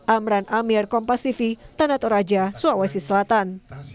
amran amir kompas tv tanatoraja sulawesi selatan